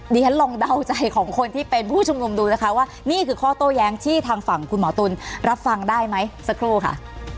เดี๋ยวฉันลองเดาใจของคนที่เป็นผู้ชุมนุมดูนะคะว่านี่คือข้อโต้แย้งที่ทางฝั่งคุณหมอตุ๋นรับฟังได้ไหมสักครู่ค่ะ